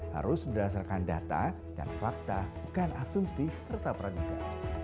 harus berdasarkan data dan fakta bukan asumsi serta praduga